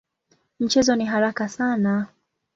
Mchezo ni haraka sana.